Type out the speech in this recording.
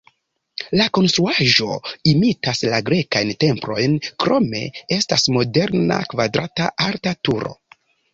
La konstruaĵo imitas la grekajn templojn, krome estas moderna kvadrata alta turo.